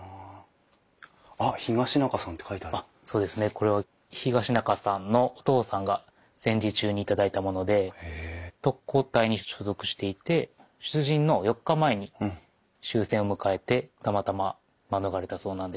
これは東仲さんのお父さんが戦時中に頂いたもので特攻隊に所属していて出陣の４日前に終戦を迎えてたまたま免れたそうなんです。